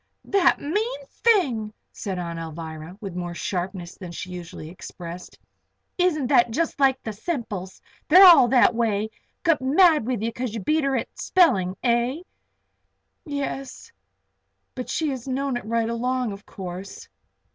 "The mean thing!" said Aunt Alvirah, with more sharpness then she usually expressed. "Isn't that jest like the Semples? They're all that way. Got mad with you because you beat her at spelling; eh?" "Yes. But she has known it right along, of course."